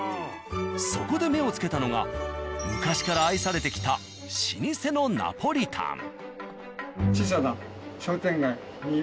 そこで目を付けたのが昔から愛されてきた老舗のナポリタン。